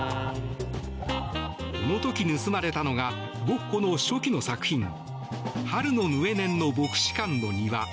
この時、盗まれたのがゴッホの初期の作品「春のヌエネンの牧師館の庭」。